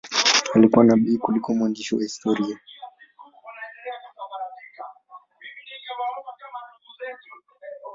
Alikuwa nabii kuliko mwandishi wa historia.